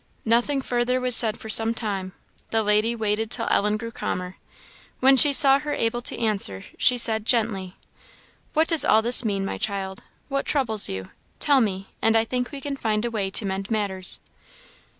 Nothing further was said for some time; the lady waited till Ellen grew calmer. When she saw her able to answer, she said, gently "What does all this mean, my child? What troubles you? Tell me, and I think we can find a way to mend matters."